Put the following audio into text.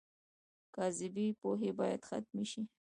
کاذبې پوهې باید ختمې شي.